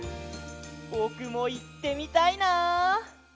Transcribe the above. ぼくもいってみたいな！